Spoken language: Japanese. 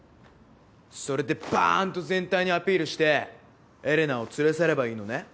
それでバーンと全体にアピールしてエレナを連れ去ればいいのね？